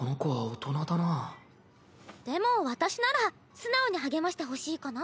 でも私なら素直に励ましてほしいかな。